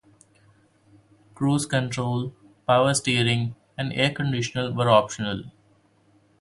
Cruise control, power steering, and air conditioning were optional.